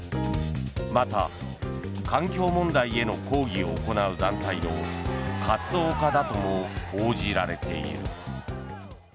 また、環境問題への抗議を行う団体の活動家だとも報じられている。